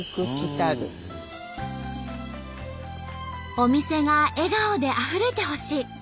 「お店が笑顔であふれてほしい」。